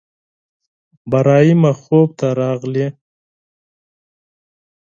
بېګاه مي خوب ته راغلې!